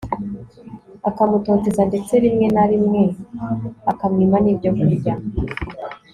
akamutoteza ndetse rimwe narimwe akamwima nibyo kurya